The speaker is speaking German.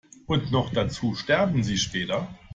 Und noch dazu sterben sie später.